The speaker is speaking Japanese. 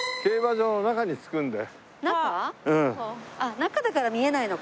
中だから見えないのか。